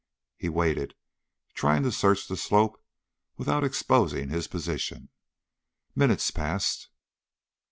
He waited, trying to search the slope without exposing his position. Minutes passed.